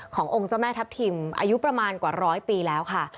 ขององค์เจ้าแม่ทัพทิมอายุประมาณกว่าร้อยปีแล้วค่ะ